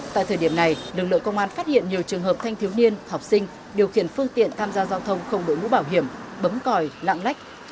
tại thời điểm này lực lượng công an phát hiện nhiều trường hợp thanh thiếu niên học sinh điều khiển phương tiện tham gia giao thông không đội mũ bảo hiểm bấm còi lạng lách